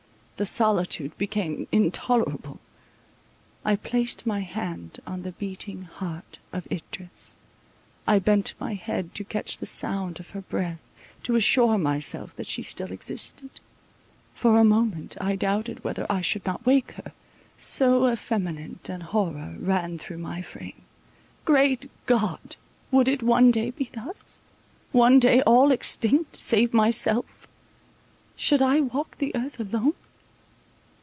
The solitude became intolerable—I placed my hand on the beating heart of Idris, I bent my head to catch the sound of her breath, to assure myself that she still existed—for a moment I doubted whether I should not awake her; so effeminate an horror ran through my frame.—Great God! would it one day be thus? One day all extinct, save myself, should I walk the earth alone?